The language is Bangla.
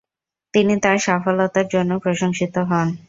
তিনি তার সফলতার জন্য প্রশংসিত হন।